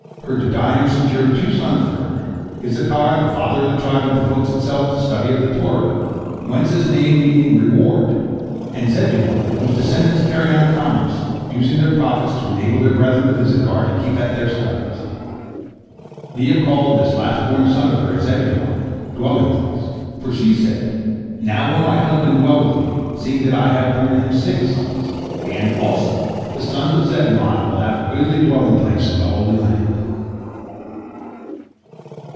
Her dudaim secured two sons for her, Issachar, the father of the tribe that devotes itself to the study of the Torah, whence his name meaning "reward," and Zebulon, whose descendants carried on commerce, using their profits to enable their brethren of Issachar to keep at their studies. Leah called this last born son of hers Zebulon, "dwelling place," for she said, "Now will my husband dwell with me, seeing that I have borne him six sons, and, also, the sons of Zebulon will have a goodly dwelling place in the Holy Land."